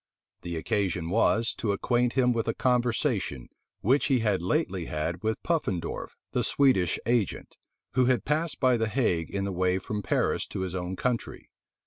The occasion was, to acquaint him with a conversation which he had lately had with Puffendorf, the Swedish agent, who had passed by the Hague in the way from Paris to his own country.